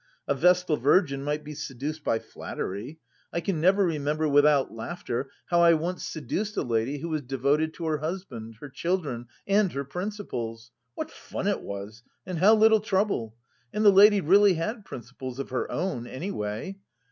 A vestal virgin might be seduced by flattery. I can never remember without laughter how I once seduced a lady who was devoted to her husband, her children, and her principles. What fun it was and how little trouble! And the lady really had principles of her own, anyway.